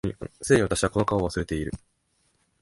既に私はこの顔を忘れている